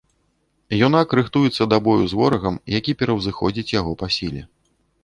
Юнак рыхтуецца да бою з ворагам, які пераўзыходзіць яго па сіле.